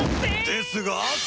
ですが。